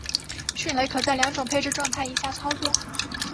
迅雷可在两种配置状态以下操作。